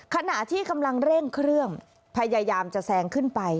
ขณะที่กำลังเร่งเครื่องพยายามจะแซงขึ้นไป